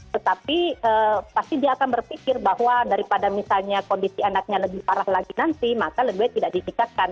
tetapi pasti dia akan berpikir bahwa daripada misalnya kondisi anaknya lebih parah lagi nanti maka lebih baik tidak ditingkatkan